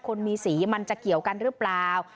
คนมีสีมันจะเกี่ยวกันหรือเปล่า